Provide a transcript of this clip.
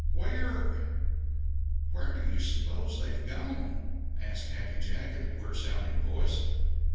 "Where where do you suppose they have gone?" asked Happy Jack in a queer sounding voice.